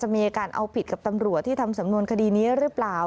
มีอาการเอาผิดกับตำรวจที่ทำสำนวนคดีนี้หรือเปล่า